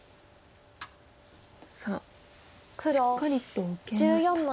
さあしっかりと受けました。